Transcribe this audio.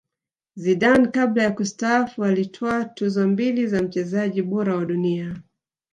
zidane kabla ya kustaafu alitwaa tuzo mbili za mchezaji bora wa dunia